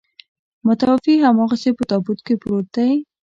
متوفي هماغسې په تابوت کې پروت دی.